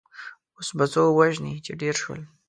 اوس به څو وژنې چې ډېر شول.